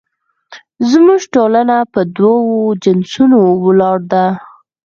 زموږ ټولنه په دوو جنسونو ولاړه ده